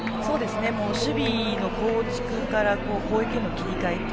守備の構築から攻撃への切り替え